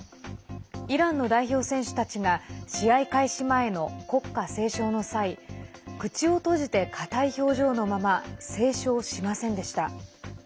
イランの代表選手たちが試合開始前の国歌斉唱の際口を閉じて硬い表情のまま斉唱しませんでした。